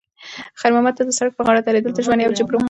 خیر محمد ته د سړک پر غاړه درېدل د ژوند یو جبر و.